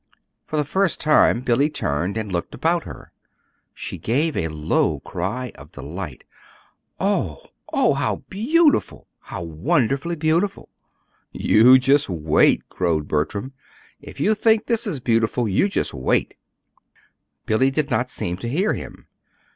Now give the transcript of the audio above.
For the first time Billy turned and looked about her. She gave a low cry of delight. "Oh, oh, how beautiful how wonderfully beautiful!" "You just wait!" crowed Bertram. "If you think this is beautiful, you just wait!" Billy did not seem to hear him.